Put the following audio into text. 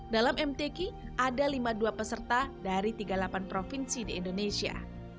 dalam mtk ada lima puluh dua peserta dari tiga puluh delapan provinsi di indonesia